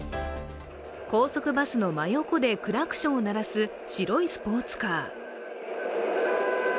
高速バスの真横でクラクションを鳴らす白いスポーツカー。